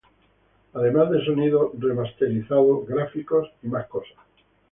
Además de sonido remasterizado, gráficos y más.